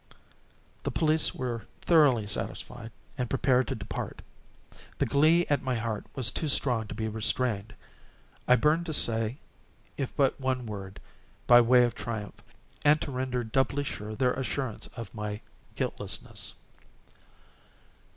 The police were thoroughly satisfied and prepared to depart. The glee at my heart was too strong to be restrained. I burned to say if but one word, by way of triumph, and to render doubly sure their assurance of my guiltlessness.